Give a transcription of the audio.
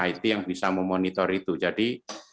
it yang bisa memonitor itu jadi